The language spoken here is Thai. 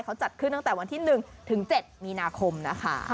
เขาจัดขึ้นตั้งแต่วันที่๑ถึง๗มีนาคมนะคะ